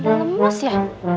padahal lemes ya